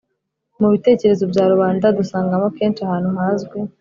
Mu bitekerezo bya rubanda dusangamo kenshi ahantu hazwi